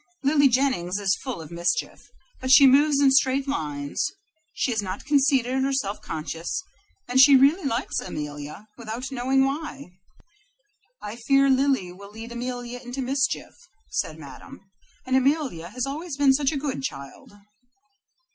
Lily Jennings is full of mischief, but she moves in straight lines; she is not conceited or self conscious, and she really likes Amelia, without knowing why." "I fear Lily will lead Amelia into mischief," said Madame, "and Amelia has always been such a good child."